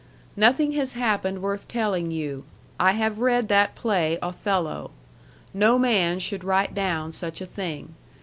Nothing has happened worth telling you. I have read that play Othello. No man should write down such a thing.